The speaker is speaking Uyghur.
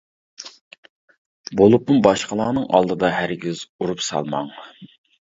بولۇپمۇ باشقىلارنىڭ ئالدىدا ھەرگىز ئۇرۇپ سالماڭ.